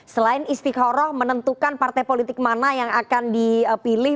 selain istighoroh menentukan partai politik mana yang akan diperoleh